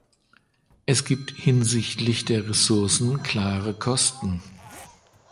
Es gibt hinsichtlich der Ressourcen klare Kosten.